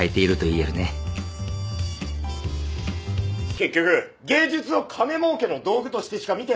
結局芸術を金もうけの道具としてしか見てないんだ！